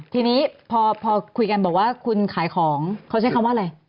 ทีนี้พอคุยกันบอกว่าคุณขายของเขาใช้คำว่าอะไร